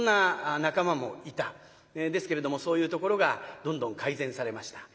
ですけれどもそういうところがどんどん改善されました。